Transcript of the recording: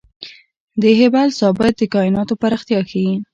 د هبل ثابت د کائناتو پراختیا ښيي.